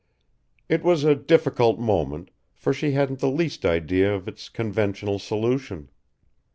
It was a difficult moment, for she hadn't the least idea of its conventional solution.